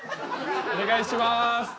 お願いします。